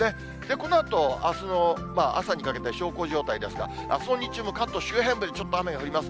このあとあすの朝にかけて小康状態ですが、あすの日中も関東周辺でちょっと雨が降ります。